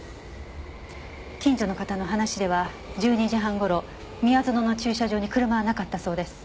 近所の方の話では１２時半頃宮園の駐車場に車はなかったそうです。